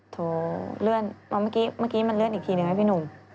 โถเลื่อนมาเมื่อกี้มันเลื่อนอีกทีเหรอฟี่หนุ่ม